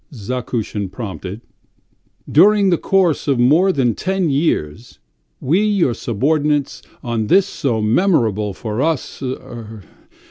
.." Zakusin prompted. "During the course of more than ten years, we, your subordinates, on this so memorable for us ... er